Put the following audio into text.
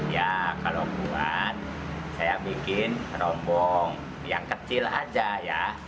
ya kalau buat saya bikin rombong yang kecil aja ya